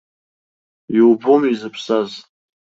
Иубом изыԥсаз.